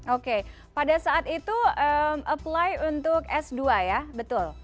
oke pada saat itu apply untuk s dua ya betul